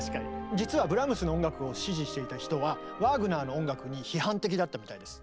実はブラームスの音楽を支持していた人はワーグナーの音楽に批判的だったみたいです。